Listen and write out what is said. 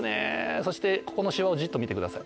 そしてここのシワをじっと見てください